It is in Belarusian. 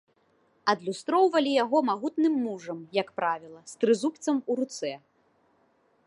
Адлюстроўвалі яго магутным мужам, як правіла, з трызубцам у руцэ.